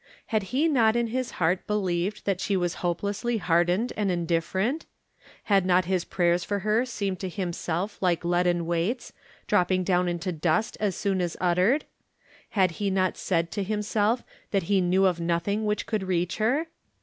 Had he not in his heart believed that she was hopelessly har dened and indifferent ? Had not his prayers for her seemed to himself like leaden weights, drop ping down into dust as soon as uttered? Had he riot said to himself that he knew of nothing which could reach her?